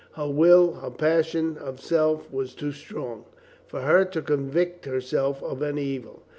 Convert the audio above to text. Her will, her passion of self, was too strong for her to convict herself of any evil.